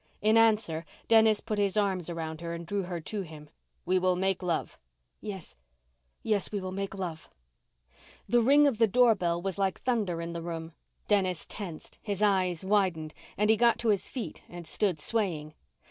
In answer, Dennis put his arms around her and drew her to him. "We will make love." "Yes yes, we will make love " The ring of the doorbell was like thunder in the room. Dennis tensed, his eyes widened, and he got to his feet and stood swaying.